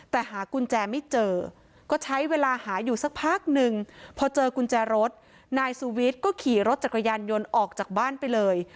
แต่หากุญแจไม่เจอก็ใช้เวลาหาอยู่สักพักหนึ่งพอเจอกุญแจรถนายสุวิทย์ก็ขี่รถจักรยานยนต์ออกจากบ้านไปเลย